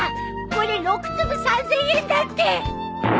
これ６粒３，０００円だって！